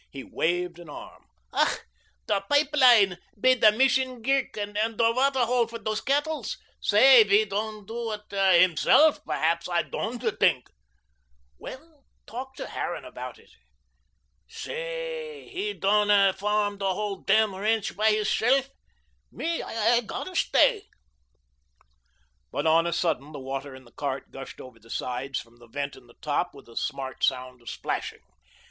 He waved an arm. "Ach, der pipe line bei der Mission Greek, und der waater hole for dose cettles. Say, he doand doo ut HIMSELLUF, berhaps, I doand tink." "Well, talk to Harran about it." "Say, he doand farm der whole demn rench bei hisseluf. Me, I gotta stay." But on a sudden the water in the cart gushed over the sides from the vent in the top with a smart sound of splashing.